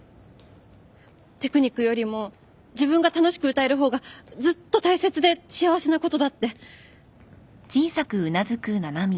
テクニックよりも自分が楽しく歌える方がずっと大切で幸せなことだって。